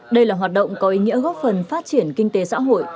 đây là hoạt động có ý nghĩa góp phần phát triển kinh tế xã hội